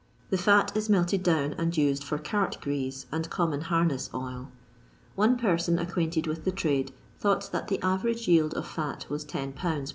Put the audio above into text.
the fat is melted down and used for cart grease and common harness oil ; one person acquainted with the trade thought that the average yield of hx was 10 lbs.